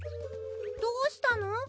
どうしたの？